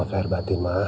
maaf lah herbatin ma